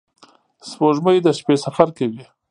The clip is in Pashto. • سپوږمۍ د شپې سفر کوي.